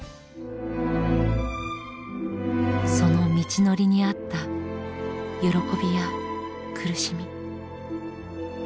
その道のりにあった喜びや苦しみ。